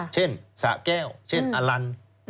เช่นสะแก้วเช่นอลัน